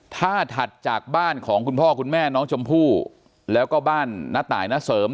ถ้าถัดจากบ้านของคุณพ่อคุณแม่น้องชมพู่แล้วก็บ้านน้าตายณเสริม